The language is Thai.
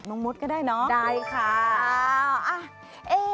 น้องมดอันนี้